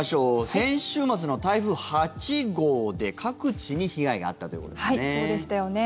先週末の台風８号で各地に被害があったということですね。